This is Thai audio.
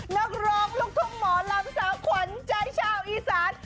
นักร้องลูกทุ่งหมอลำสาวขวัญใจชาวอีสาน